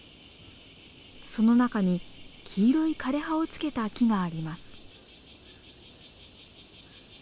その中に黄色い枯れ葉をつけた木があります。